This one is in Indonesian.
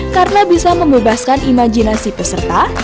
karena bisa membebaskan imajinasi peserta